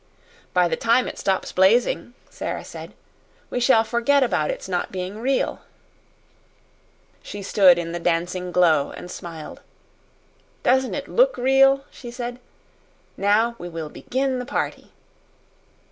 "By the time it stops blazing," Sara said, "we shall forget about its not being real." She stood in the dancing glow and smiled. "Doesn't it LOOK real?" she said. "Now we will begin the party."